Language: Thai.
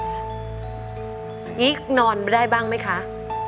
อย่างนี้นอนไม่ได้บ้างไหมคะ